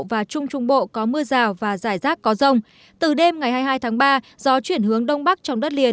và trung trung bộ có mưa rào và giải rác có rông từ đêm ngày hai mươi hai tháng ba do chuyển hướng đông bắc